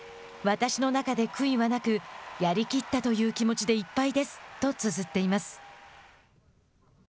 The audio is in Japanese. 私の中で悔いはなくやりきったという気持ちでいっぱいです」とつづっています。